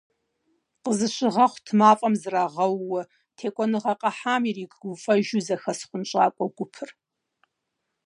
Къызыщыгъэхъут мафӀэм зрагъэууэ, текӀуэныгъэ къахьам иригуфӀэжу зэхэс хъунщӀакӀуэ гупыр.